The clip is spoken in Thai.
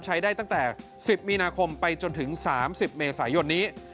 ใช้ได้ตั้งแต่๑๐มีนาคมไปจนถึง๓๐เมษายนนี้